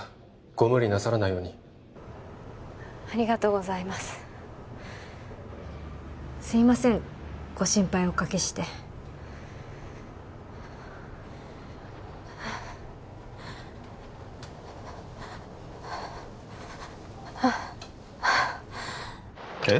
ご無理なさらないようにありがとうございますすいませんご心配おかけしてえっ？